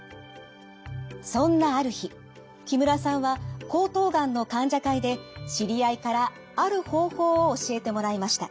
そんなある日木村さんは喉頭がんの患者会で知り合いからある方法を教えてもらいました。